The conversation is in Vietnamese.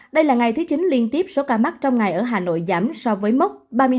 đây là ngày thứ chín liên tiếp số ca mắc trong ngày ở hà nội giảm so với mốc